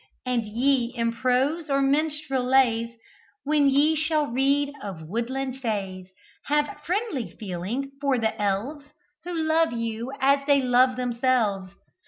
And ye, in prose or minstrel lays, When ye shall read of woodland fays, Have friendly feeling for the elves Who love you as they love themselves.